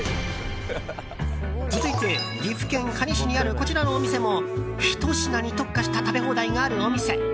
続いて、岐阜県可児市にあるこちらのお店もひと品に特化した食べ放題があるお店。